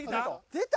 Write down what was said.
出た？